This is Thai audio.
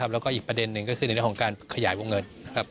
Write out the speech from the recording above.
แล้วก็อีกประเด็นหนึ่งก็คือในเรื่องของการขยายวงเงิน